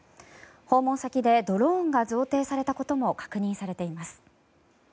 訪問先でドローンが贈呈されたことも確認されています。